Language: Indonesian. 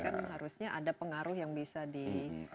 itu kan harusnya ada pengaruh yang bisa diberikan ya